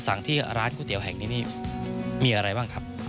ที่ร้านก๋วยเตี๋ยวแห่งนี้นี่มีอะไรบ้างครับ